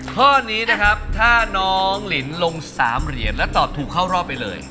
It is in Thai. ข้อนี้นะครับถ้าน้องลินลง๓เหรียญแล้วตอบถูกเข้ารอบไปเลย